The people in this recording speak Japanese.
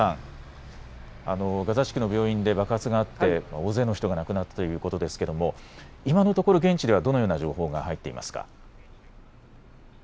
ガザ地区の病院で爆発があって大勢の人が亡くなったということですけれども今のところ現地ではどのような情報が入っていますか。